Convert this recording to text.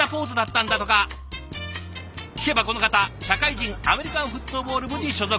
聞けばこの方社会人アメリカンフットボール部に所属。